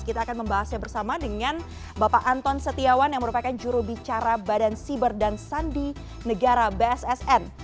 kita akan membahasnya bersama dengan bapak anton setiawan yang merupakan jurubicara badan siber dan sandi negara bssn